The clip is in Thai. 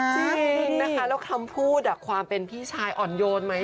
จริงนะคะแล้วคำพูดความเป็นพี่ชายอ่อนโยนไหม